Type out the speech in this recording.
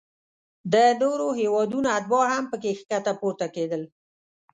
د نورو هیوادونو اتباع هم پکې ښکته پورته کیدل.